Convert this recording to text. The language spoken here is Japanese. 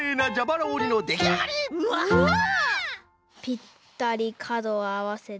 ぴったりかどをあわせて。